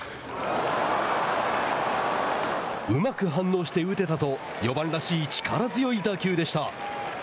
うまく反応して打てたと４番らしい力強い打球でした。